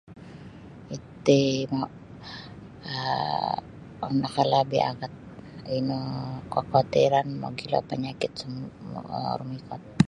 Iti um ulun nakalabih agat ino kekhuatiran mogilo panyakit sumo rumikot.